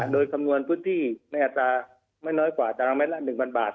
โดยคำนวณพื้นที่ในอาจารย์ไม่น้อยกว่าจังหลังแมตรละ๑๐๐๐บาท